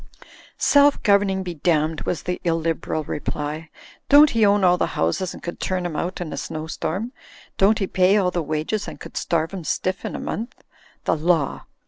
"Self governing be damned," was the illiberal re ply. "Don't he own all the houses and could turn 'em out in a snow storm? Don't 'e pay all the wages and could starve 'em stiff in a month? The Law!"